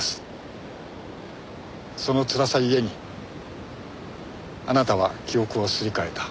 そのつらさゆえにあなたは記憶をすり替えた。